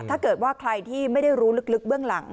ถ้าเกิดว่าใครที่ไม่ได้รู้ลึกเบื้องหลัง